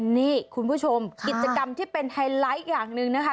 นี่คุณผู้ชมกิจกรรมที่เป็นไฮไลท์อย่างหนึ่งนะคะ